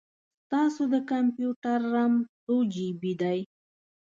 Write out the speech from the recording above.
ستاسو د کمپیوټر رم څو جې بې دی؟